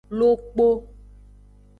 Lokpo.